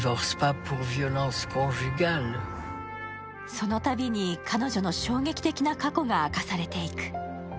そのたびに彼女の衝撃的な過去が明かされていく。